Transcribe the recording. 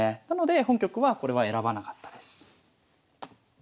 なので本局はこれは選ばなかったです。